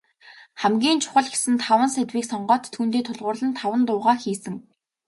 Хамгийн чухал гэсэн таван сэдвийг сонгоод, түүндээ тулгуурлан таван дуугаа хийсэн.